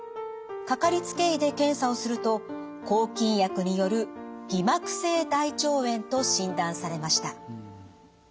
かかりつけ医で検査をすると抗菌薬による偽膜性大腸炎と診断されました。